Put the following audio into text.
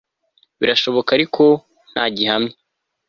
birashoboka ariko ntagihamya